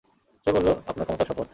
সে বলল, আপনার ক্ষমতার শপথ!